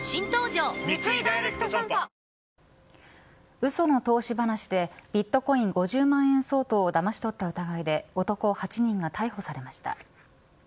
うその投資話でビットコイン５０万円相当をだまし取った疑いで男８人が逮捕されました。